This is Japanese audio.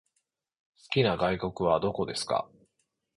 好きな外国はどこですか？